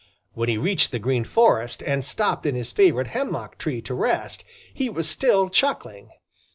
When he reached the Green Forest and stopped in his favorite hemlock tree to rest, he was still chuckling.